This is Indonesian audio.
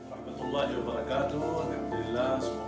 alhamdulillah ya allah